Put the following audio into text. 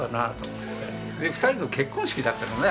２人の結婚式だったよね